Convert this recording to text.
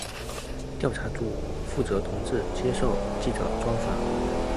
调查组负责同志接受记者专访